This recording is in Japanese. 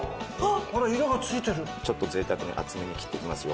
ちょっと贅沢に厚めに切っていきますよ。